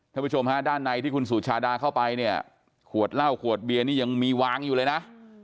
ท่านผู้ชมฮะด้านในที่คุณสุชาดาเข้าไปเนี่ยขวดเหล้าขวดเบียร์นี่ยังมีวางอยู่เลยนะ